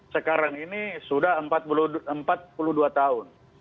sekarang ini sudah empat puluh dua tahun